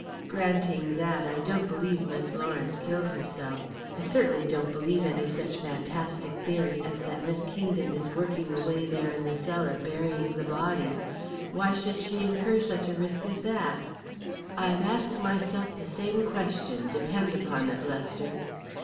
"Granting that, I don't believe Miss Lawrence killed herself. I certainly don't believe any such fantastic theory as that Miss Kingdon is working away there in the cellar burying the body. Why should she incur such a risk as that?" "I've asked myself the same question, depend upon it, Lester."